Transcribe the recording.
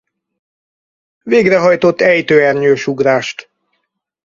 Végrehajtott ejtőernyős ugrást.